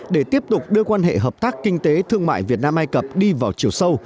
để tiếp tục đưa quan hệ hợp tác kinh tế thương mại việt nam ai cập đi vào chiều sâu